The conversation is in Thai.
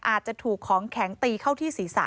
อาจจะถูกของแข็งตีเข้าที่ศีรษะ